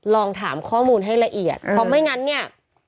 ลองถามข้อมูลให้ละเอียดเพราะไม่งั้นเนี่ย